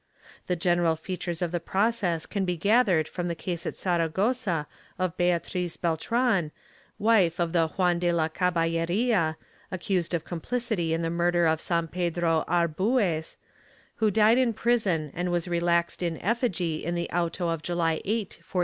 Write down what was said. The general features of the process can be gathered from the case at Saragossa of Beatriz Beltran, wife of the Juan de la Caballeria, accused of complicity in the murder of San Pedro Arbues, who died in prison and was relaxed in effigy in the auto of July 8, 1491.